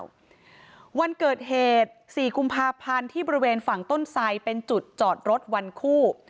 วันเกิดเหตุสี่กุมภาพันธ์ที่บริเวณฝั่งต้นไสเป็นจุดจอดรถวันคู่